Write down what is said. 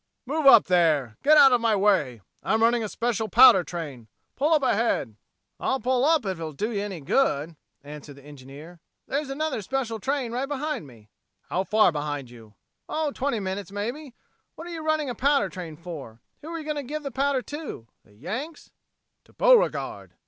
"Move up there! Get out of my way! I'm running a special powder train! Pull up ahead!" "I'll pull up if it'll do you any good," answered the engineer. "There's another special train right behind me." "How far behind you?" "Oh, twenty minutes, maybe. What are you running a powder train for? Who are you going to give the powder to? The Yanks?" "To Beauregard!"